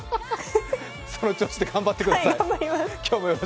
その調子で頑張ってください。